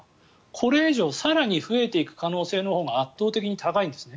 これ以上更に増えていく可能性のほうが圧倒的に高いんですね。